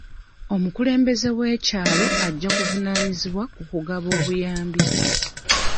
Omukulembeze w'ekyalo ajja kuvunaanyizibwa ku kugaba obuyambi.